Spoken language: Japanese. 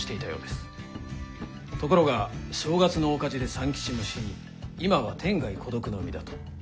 ところが正月の大火事で三吉も死に今は天涯孤独の身だと。